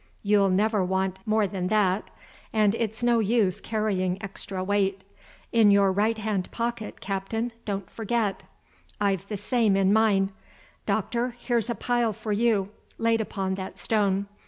You'll never want more than that, and it's no use carrying extra weight. In your right hand pocket, Captain, don't forget. I've the same in mine. Doctor, here's a pile for you; laid upon that stone.